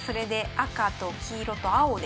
赤と黄色と青で。